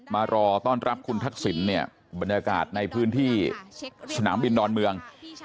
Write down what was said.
มารอต้อนรับคุณทักษิณเนี่ยบรรยากาศในพื้นที่สนามบินดอนเมือง